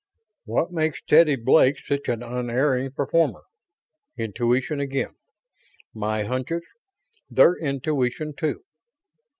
What makes Teddy Blake such an unerring performer? Intuition again. My hunches they're intuition, too.